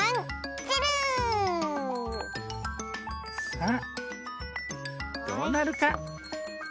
さあどうなるか？